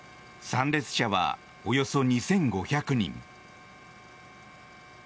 参列者はおよそ２５００人。